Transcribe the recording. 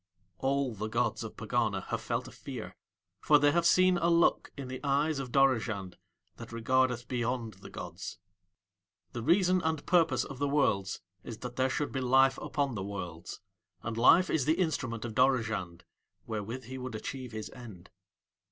All the gods of Pegana have felt a fear, for they have seen a look in the eyes of Dorozhand that regardeth beyond the gods. The reason and purpose of the Worlds is that there should be Life upon the Worlds, and Life is the instrument of Dorozhand wherewith he would achieve his end.